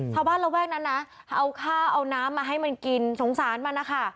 ระแวกนั้นนะเอาข้าวเอาน้ำมาให้มันกินสงสารมันนะคะ